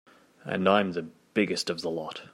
And I'm the biggest of the lot.